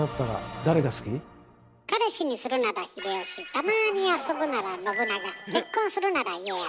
たまに遊ぶなら信長結婚するなら家康。